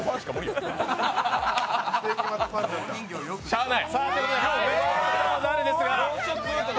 しゃあない！